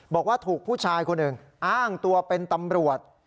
บอกว่าถูกผู้ชายคนหนึ่งอ้างตัวเป็นตำรวจ